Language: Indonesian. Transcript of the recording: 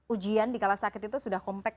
ujian di kala sakit itu sudah compact